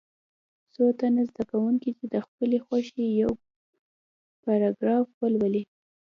څو تنه زده کوونکي دې د خپلې خوښې یو پاراګراف ولولي.